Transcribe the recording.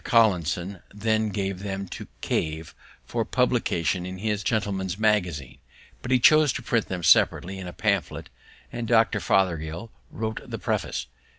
Collinson then gave them to Cave for publication in his Gentleman's Magazine; but he chose to print them separately in a pamphlet, and Dr. Fothergill wrote the preface.